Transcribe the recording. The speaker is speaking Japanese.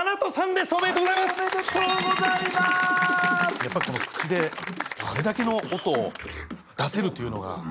やっぱりこの口であれだけの音を出せるというのが。